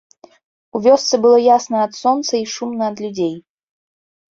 У вёсцы было ясна ад сонца і шумна ад людзей.